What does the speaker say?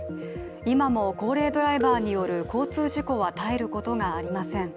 今も高齢ドライバーによる交通事故は絶えることがありません。